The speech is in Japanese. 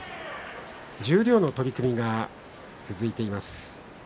十両の取組が続いています。